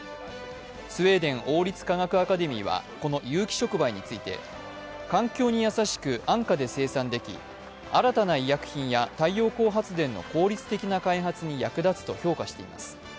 スウェーデン王立科学アカデミーは、この有機触媒について、環境に優しく安価で生産でき新たな医薬品や太陽光発電の効率的な開発に役立つと評価しています。